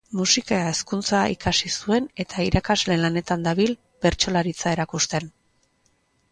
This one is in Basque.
Musika Hezkuntza ikasi zuen eta irakasle lanetan dabil bertsolaritza erakusten.